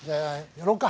やろうか。